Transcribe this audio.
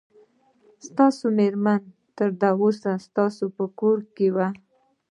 ستاسو مېرمن تر اوسه ستاسو په کور کې وه.